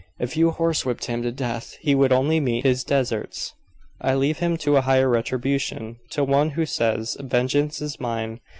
"If you horsewhipped him to death he would only meet his deserts." "I leave him to a higher retribution to One who says, 'Vengeance is mine.